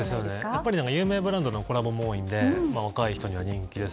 やっぱりブランドのコラボも多いので若い人にも人気です。